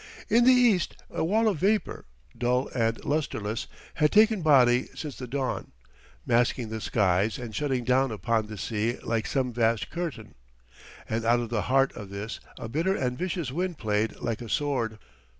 In the east a wall of vapor, dull and lusterless, had taken body since the dawn, masking the skies and shutting down upon the sea like some vast curtain; and out of the heart of this a bitter and vicious wind played like a sword.